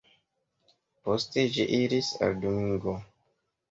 Poste ĝi iris al Domingo.